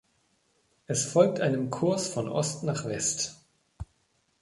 Es folgt einem Kurs von Ost nach West.